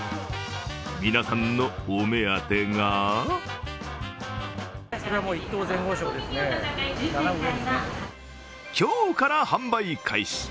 皆さんのお目当てが今日から販売開始。